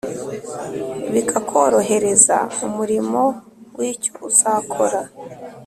bikakorohereza umurimo. wicyo uzakora